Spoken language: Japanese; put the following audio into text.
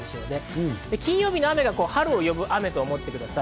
金曜日の雨が春を呼ぶ雨と思ってください。